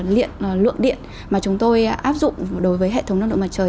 lượng điện mà chúng tôi áp dụng đối với hệ thống năng lượng mặt trời